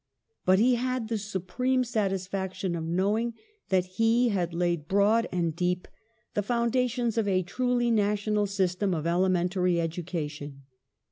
But he had the supreme satisfaction of know ing that he had laid broad and deep the foundations of a truly national system of elementary education.